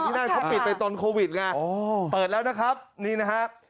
นั่นเขาปิดไปตอนโควิดไงเปิดแล้วนะครับนี่นะครับ